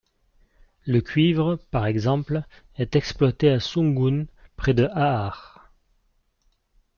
Le cuivre, par exemple, est exploité à Sungun, près de Ahar.